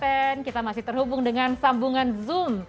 kembali di after sepuluh kita masih terhubung dengan sambungan zoom